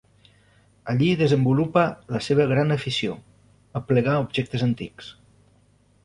Allí desenvolupa la seva gran afició: aplegar objectes antics.